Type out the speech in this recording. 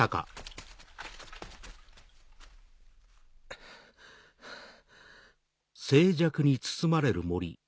ハァハァ。